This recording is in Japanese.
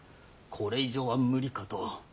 これ以上は無理かと。